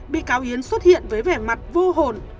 bị cáo yến xuất hiện với vẻ mặt vô hồn